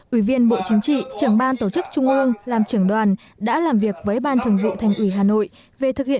ủy viên bộ chính trị trưởng ban tổ chức trung ương làm trưởng đoàn đã làm việc với ban thường vụ thành ủy hà nội